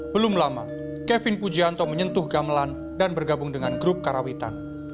belum lama kevin pujianto menyentuh gamelan dan bergabung dengan grup karawitan